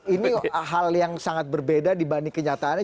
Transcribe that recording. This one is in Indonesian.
ini hal yang sangat berbeda dibanding kenyataannya